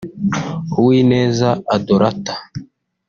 Uwineza Adorata